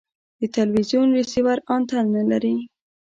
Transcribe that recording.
د تلوزیون ریسیور انتن نلري